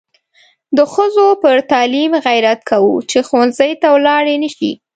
د ښځو پر تعلیم غیرت کوو چې ښوونځي ته ولاړې نشي.